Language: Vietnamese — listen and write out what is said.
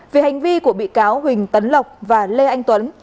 vì hành vi của bị cáo huỳnh tấn lộc và lê anh tuấn